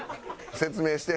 説明して。